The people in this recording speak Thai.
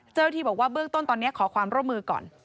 เจ้าหน้าที่บอกว่าเบื้องต้นตอนนี้ขอความร่วมมือก่อน